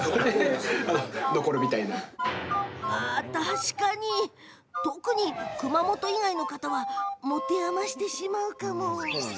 確かに特に、熊本以外の方は持て余してしまうかも。